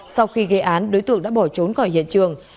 sau khi gây án đối tượng đã bỏ trốn khỏi hiện trường